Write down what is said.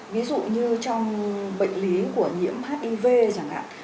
ví dụ như trong bệnh lý của nhiễm hiv chẳng hạn